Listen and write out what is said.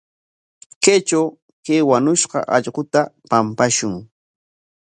Kaytraw kay wañushqa allquta pampashun.